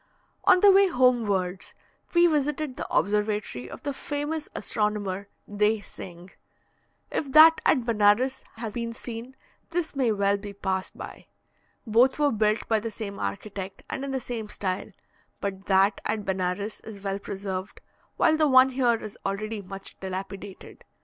On the way homewards, we visited the observatory of the famous astronomer, Dey Singh. If that at Benares has been seen, this may well be passed by. Both were built by the same architect, and in the same style; but that at Benares is well preserved, while the one here is already much dilapidated.